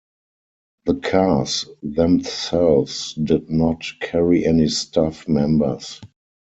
The cars themselves did not carry any staff members.